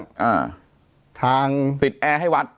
อ่าทางปิดแอร์ให้วัด